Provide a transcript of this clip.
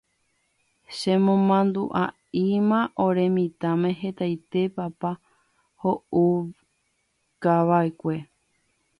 chemomandu'a yma ore mitãme hetaite papá ho'ukava'ekue